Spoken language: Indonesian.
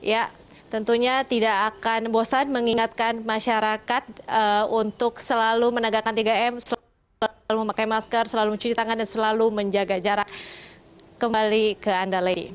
ya tentunya tidak akan bosan mengingatkan masyarakat untuk selalu menegakkan tiga m selalu memakai masker selalu mencuci tangan dan selalu menjaga jarak kembali ke anda lay